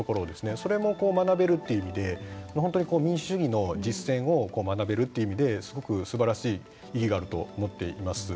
それも学べるという意味で民主主義の実践を学べるという意味ですごくすばらしい意義があると思っています。